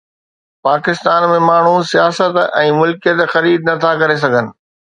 پاڪستان ۾ ماڻهو سياست يا ملڪيت خريد نٿا ڪري سگهن